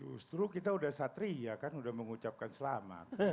justru kita sudah satria kan udah mengucapkan selamat